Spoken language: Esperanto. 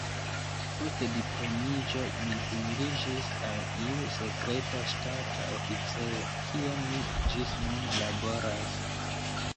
Post diplomiĝo mi dungiĝis al iu sekreta ŝtata oficejo, kie mi ĝis nun laboras.